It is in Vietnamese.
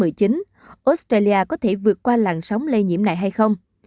australia có thể vượt qua làn sóng lây nhiễm này hay không